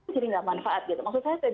jadi tidak manfaat maksud saya